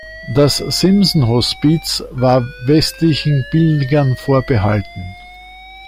Das Simson-Hospiz war westlichen Pilgern vorbehalten.